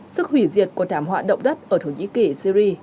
sức hủy diệt của thảm họa động đất ở thổ nhĩ kỳ syri